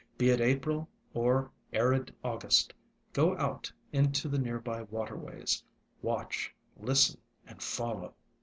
Be it April or arid August, go out into the near by waterways; watch, listen, and follow.